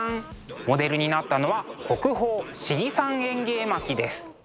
モデルになったのは国宝「信貴山縁起絵巻」です。